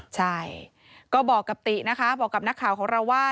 ใช่ก็บอกกับตินะคะบอกกับนักข่าวของเราว่า